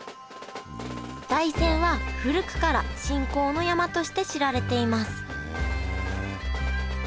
大山は古くから信仰の山として知られていますへえ！